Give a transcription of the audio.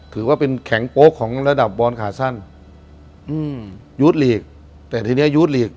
ถือว่าเป็นแข็งโป๊กของระดับบอลขาสั้นอืมยูดลีกแต่ทีเนี้ยยูดลีก